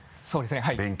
そうですねはい。